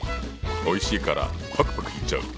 おいしいからパクパクいっちゃう！